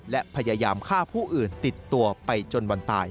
และพยายามฆ่าผู้อื่นติดตัวไปจนวันตาย